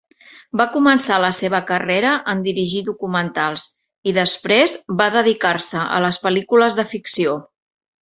Va començar la seva carrera en dirigir documentals i, després, va dedicar-se a les pel·lícules de ficció.